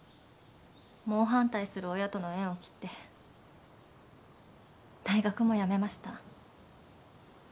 猛反対する親との縁を切って大学も辞めました。